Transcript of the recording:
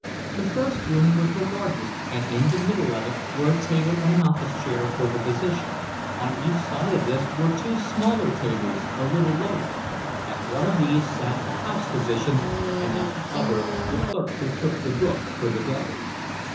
The first room was the largest and in the middle of it were a table and an office chair for the physician; on each side of this were two smaller tables, a little lower: at one of these sat the house physician and at the other the clerk who took the 'book' for the day.